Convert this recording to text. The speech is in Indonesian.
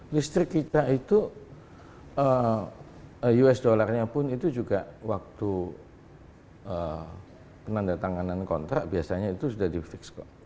listrik kita itu us dollarnya pun itu juga waktu penanda tanganan kontrak biasanya itu sudah di fix kok